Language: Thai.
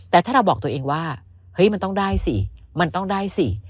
แต่ถ้าเราบอกตัวเองว่าเฮ้ยมันต้องได้สิมันต้องได้สิ